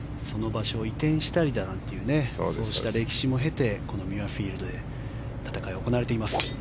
場所を移転したりという歴史も経てミュアフィールドで戦いは行われています。